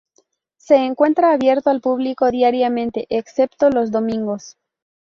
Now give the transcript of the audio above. Se encuentra abierto al público diariamente excepto los domingos.